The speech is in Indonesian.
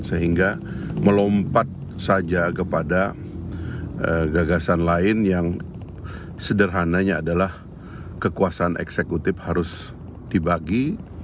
sehingga melompat saja kepada gagasan lain yang sederhananya adalah kekuasaan eksekutif harus dibagi